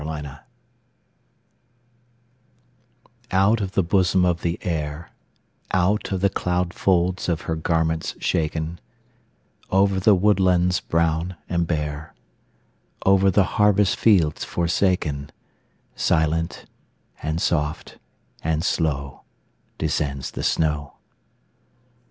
SNOW FLAKES Out of the bosom of the Air, Out of the cloud folds of her garments shaken, Over the woodlands brown and bare, Over the harvest fields forsaken, Silent, and soft, and slow Descends the snow.